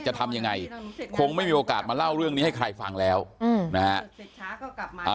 จะทำยังไงคงไม่มีโอกาสมาเล่าเรื่องนี้ให้ใครฟังแล้วอืมนะฮะ